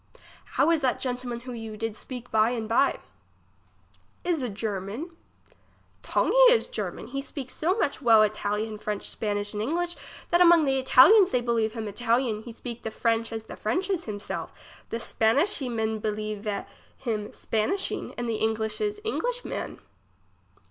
How is that gentilman who you did speak by and by. Is a German. Tongh he is German, he speak so much well italyan, french, Spanish, and english, that among the Italyans, they believe him Ital yan, he speak the frenche as the Frenches himselves. The Spanishesmen belie ve him Spanishing, and the Englishes, Englis man.